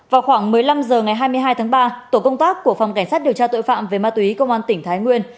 vào khoảng một mươi năm h ngày hai mươi hai tháng ba tổ công tác của phòng cảnh sát điều tra tội phạm về ma túy công an tỉnh thái nguyên